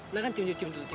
nah kan tim tim tim dulu